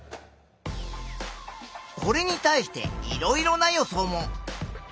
これに対していろいろな予想も。